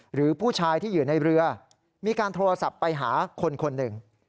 หรือผู้ชายที่อยู่ในเรือมีการโทรศัพท์ไปหาคนคนหนึ่ง